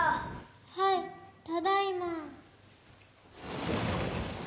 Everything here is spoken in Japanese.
・「はいただいま」。